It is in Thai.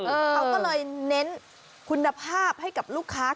เขาก็เลยเน้นคุณภาพให้กับลูกค้า